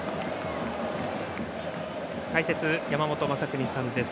解説、山本昌邦さんです。